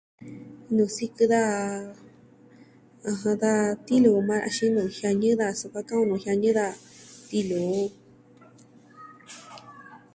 Nuu sikɨ daja, ɨjɨn, da tiluu yukuan axin nuu jiañɨ daja sukuan ka'an on nuu jiañɨ daja tiluu.